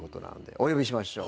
お呼びしましょう。